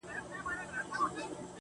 د خدای لپاره په ژړه نه کيږي ~~